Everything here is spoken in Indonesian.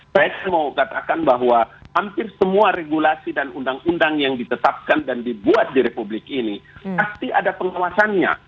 saya mau katakan bahwa hampir semua regulasi dan undang undang yang ditetapkan dan dibuat di republik ini pasti ada pengawasannya